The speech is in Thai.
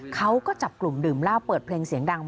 เขาก็จับกลุ่มดื่มเหล้าเปิดเพลงเสียงดัง